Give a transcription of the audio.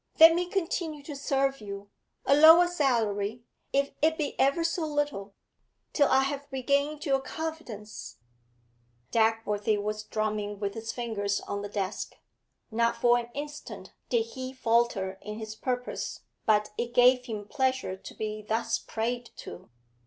Let me continue to serve you a lower salary if it be ever so little till I have regained your confidence ' Dagworthy was drumming with his fingers on the desk. Not for an instant did he falter in his purpose, but it gave him pleasure to be thus prayed to.